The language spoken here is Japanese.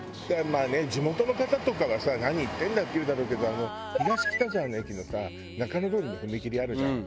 まあね地元の方とかはさ何言ってんだって言うだろうけど東北沢の駅さ中野通りの踏切あるじゃん？